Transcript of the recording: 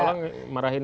kepala sekolah marahin